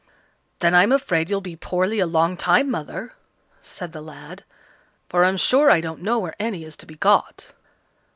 "Then I'm afraid you'll be poorly a long time, mother," said the lad, "for I'm sure I don't know where any is to be got."